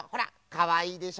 かわいいでしょ。